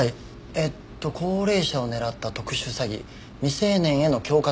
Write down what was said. えっと高齢者を狙った特殊詐欺未成年への恐喝被害売春斡旋。